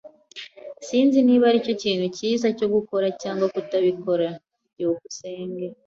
Sinzi niba aricyo kintu cyiza cyo gukora cyangwa kutabikora. byukusenge